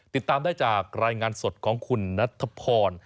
ติดตามได้จากรายงานสดของคุณนัทพร